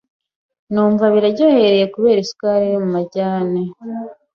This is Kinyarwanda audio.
numva biraryohereye kubera isukari iri mu majyane.